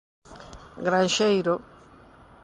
Granxeiro.